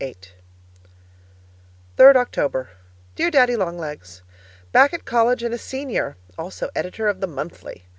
Judy 3rd October Dear Daddy Long Legs, Back at college and a Senior also editor of the Monthly.